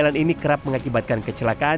tiap hari loh